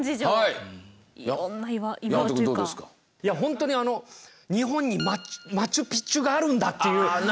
いやほんとにあの日本にマチュピチュがあるんだっていう感じになります。